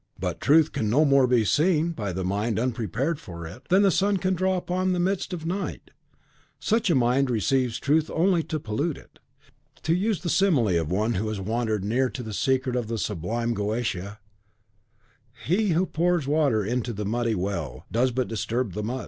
But truth can no more be seen by the mind unprepared for it, than the sun can dawn upon the midst of night. Such a mind receives truth only to pollute it: to use the simile of one who has wandered near to the secret of the sublime Goetia (or the magic that lies within Nature, as electricity within the cloud), 'He who pours water into the muddy well, does but disturb the mud.